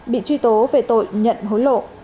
bị truy tố về tội nhận hối lộ